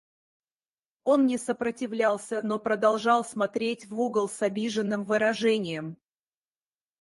Он не сопротивлялся, но продолжал смотреть в угол с обиженным выражением.